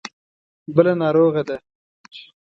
بله ناروغه ده.